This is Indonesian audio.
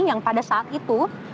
yang pada saat itu